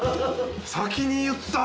先に言った。